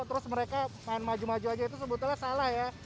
terus mereka main maju maju aja itu sebetulnya salah ya